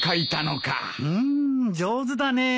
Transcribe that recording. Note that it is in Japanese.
うん上手だねえ。